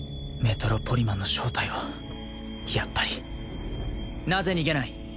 メトロポリマンの正体をやっぱりなぜ逃げない？